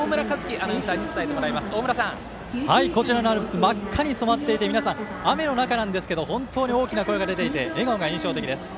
アナウンサーにこちらのアルプス真っ赤に染まっていて皆さん、雨の中ですが本当に大きな声が出ていて笑顔が印象的です。